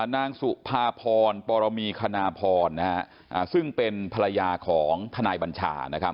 นางสุภาพรปรมีคณพรซึ่งเป็นภรรยาของทนายบัญชานะครับ